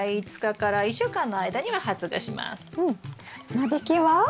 間引きは？